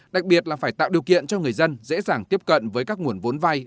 đặc biệt là phải tạo điều kiện cho người dân dễ dàng tiếp cận với các nguồn vốn vay